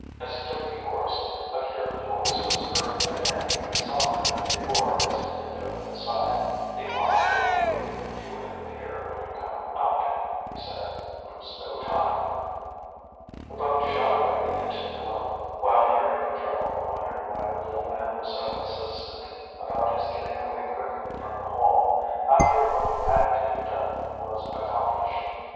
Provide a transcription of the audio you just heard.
As he took the oars, Akira's voice was heard again even softer than before as he leaned over the side. "The launch will be waiting for you at the pier when you come out," he said. "Lose no time." The boat shot away into the gloom, while Harry Pentreddle wondered why the little man was so insistent about his getting away quickly from the Hall, after what had to be done was accomplished.